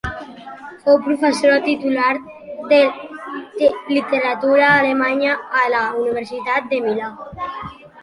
Fou professora titular de literatura alemanya a la Universitat de Milà.